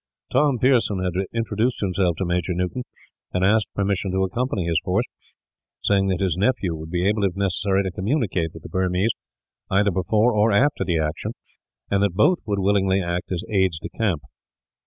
Tom Pearson had introduced himself to Major Newton, and asked permission to accompany his force; saying that his nephew would be able, if necessary, to communicate with the Burmese either before or after the action, and that both would willingly act as aides de camp.